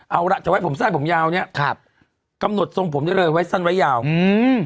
เอาล่ะจะไว้ผมสั้นผมยาวเนี้ยครับกำหนดทรงผมได้เลยไว้สั้นไว้ยาวอืม